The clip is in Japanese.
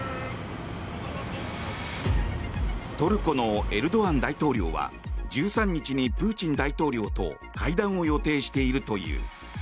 トルコのエルドアン大統領は１３日にプーチン大統領と会談を予定しているという。